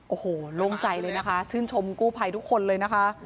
โอ้โหโล่งใจเลยนะคะชื่นชมกู้ภัยทุกคนเลยนะคะ